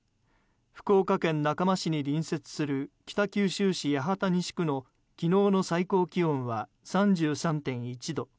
福岡県中間市に隣接する北九州市八幡西区の昨日の最高気温は３３．１度。